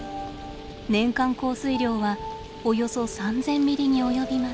年間降水量はおよそ３，０００ミリに及びます。